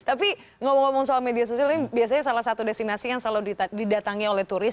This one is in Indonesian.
tapi ngomong ngomong soal media sosial ini biasanya salah satu destinasi yang selalu didatangi oleh turis